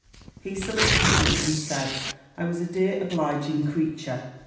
He saluted me, and said, I was a dear obliging creature.